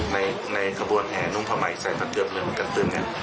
ในในขบวนแห่นุ้งพะไหมใส่ประเทียบเงินกันตึงเนี่ย